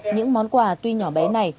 những món quà tuy nhỏ bé này